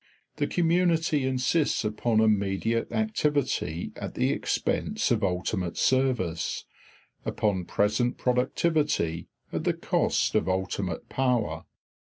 The community insists upon immediate activity at the expense of ultimate service, upon present productivity at the cost of ultimate power.